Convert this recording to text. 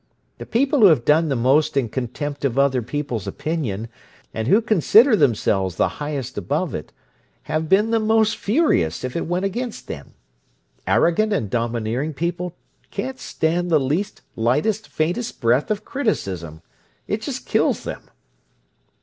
The people who have done the most in contempt of other people's opinion, and who consider themselves the highest above it, have been the most furious if it went against them. Arrogant and domineering people can't stand the least, lightest, faintest breath of criticism. It just kills them."